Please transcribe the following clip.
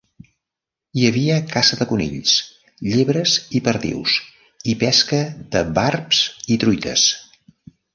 Hi havia caça de conills, llebres i perdius i pesca de barbs i truites.